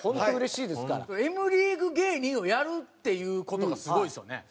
Ｍリーグ芸人をやるっていう事がすごいですよね。